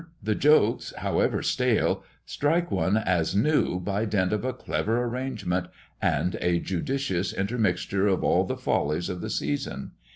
The jokes, however stale, strike one as new by dint of a clever arrangement and a judicious intermixture of all the follies of the season.